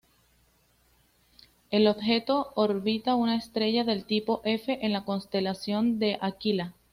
El objeto orbita una estrella del tipo F en la constelación de Aquila.